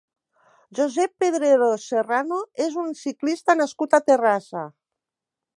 Josep Pedrero Serrano és un ciclista nascut a Terrassa.